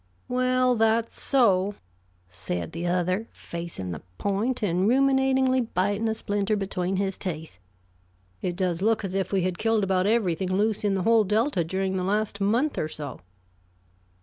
"Well, that's so," said the other, facing the point and ruminatingly biting a splinter between his teeth. "It does look as if we had killed about everything loose in the whole Delta during the last month or so."